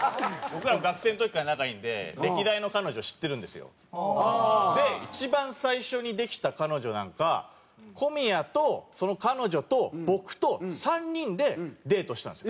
僕らも学生の時から仲いいんでで一番最初にできた彼女なんか小宮とその彼女と僕と３人でデートしたんですよ。